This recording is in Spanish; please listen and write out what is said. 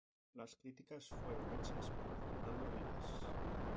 Las críticas fueron hechas por Fernando Vivas.